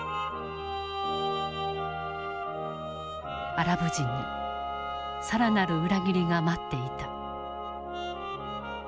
アラブ人に更なる裏切りが待っていた。